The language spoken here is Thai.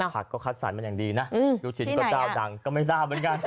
ผักก็คัดสรรมาอย่างดีนะลูกชิ้นก็เจ้าดังก็ไม่ทราบเหมือนกัน